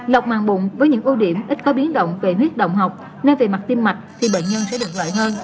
lọc màng bụng với những ưu điểm ít có biến động về huyết động học nay về mặt tim mạch thì bệnh nhân sẽ được lợi hơn